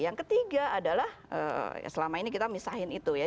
yang ketiga adalah selama ini kita misahin itu ya